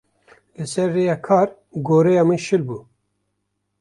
Li ser rêya kar goreya min şil bû.